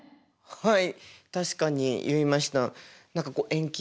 はい。